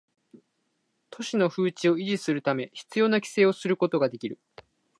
都市の風致を維持するため必要な規制をすることができる